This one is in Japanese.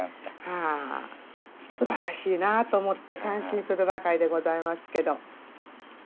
はあすばらしいなと思って感心するばかりでございますけど。